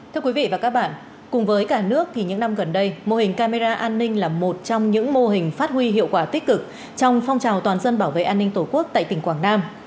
thưa quý vị và các bạn cùng với cả nước thì những năm gần đây mô hình camera an ninh là một trong những mô hình phát huy hiệu quả tích cực trong phong trào toàn dân bảo vệ an ninh tổ quốc tại tỉnh quảng nam